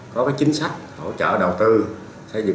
có chính sách hỗ trợ đầu tư